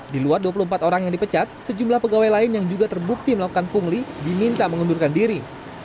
di luar dua puluh empat orang yang dipecat sejumlah pegawai lain yang juga terbukti melakukan pungli diminta mengundurkan diri